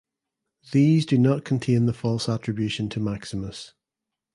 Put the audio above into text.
These do not contain the false attribution to Maximus.